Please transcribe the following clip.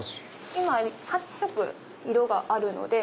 今８色色があるので。